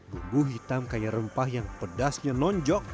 bumbu hitam kaya rempah yang pedasnya nonjok